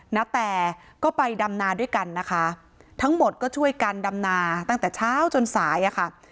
นาแตก็ไปดำนาด้วยกันนะคะทั้งหมดก็ช่วยกันดำนาตั้งแต่เช้าจนสายอะค่ะ